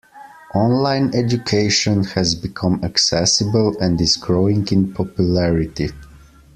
Online Education has become accessible and is growing in popularity.